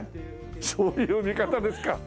そういう見方ですか。